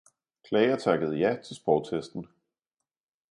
Klager takkede ja til sprogtesten.